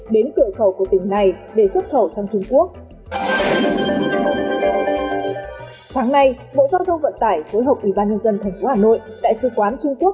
đến cửa khẩu của tỉnh này để xuất khẩu sang trung quốc